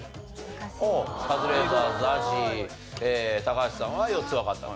カズレーザーＺＡＺＹ高橋さんは４つわかった。